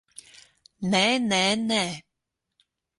Nē, nē, nē!